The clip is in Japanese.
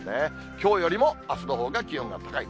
きょうよりもあすのほうが気温が高い。